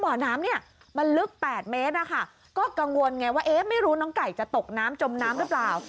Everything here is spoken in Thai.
บ่อน้ำเนี่ยมันลึก๘เมตรนะคะก็กังวลไงว่าเอ๊ะไม่รู้น้องไก่จะตกน้ำจมน้ำหรือเปล่า